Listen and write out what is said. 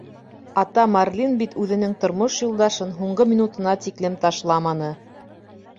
Ата марлин бит үҙенең тормош юлдашын һуңғы минутына тиклем ташламаны.